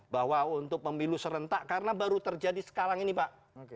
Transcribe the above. bahwa untuk pemilu serentak karena baru terjadi sekarang ini pak